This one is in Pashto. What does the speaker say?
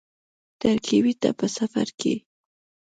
ترکیې ته په سفرکې